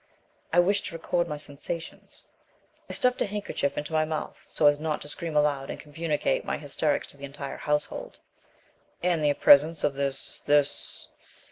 I wished to record my sensations. I stuffed a handkerchief into my mouth so as not to scream aloud and communicate my hysterics to the entire household." "And the presence of this this